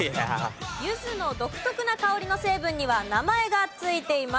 ゆずの独特な香りの成分には名前が付いています。